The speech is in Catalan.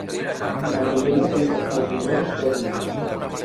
Na Milena sense afegitons sòdics.